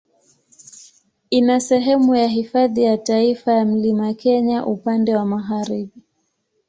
Ina sehemu ya Hifadhi ya Taifa ya Mlima Kenya upande wa magharibi.